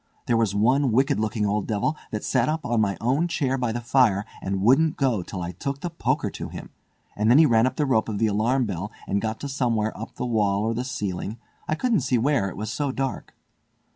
There was one wicked looking old devil that sat up on my own chair by the fire, and wouldn't go till I took the poker to him, and then he ran up the rope of the alarm bell and got to somewhere up the wall or the ceiling—I couldn't see where, it was so dark."